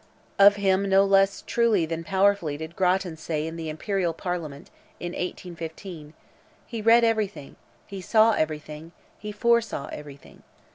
Of him no less truly than powerfully did Grattan say in the Imperial Parliament, in 1815: "He read everything, he saw everything, he foresaw everything.